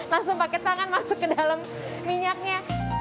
langsung pakai tangan masuk ke dalam minyaknya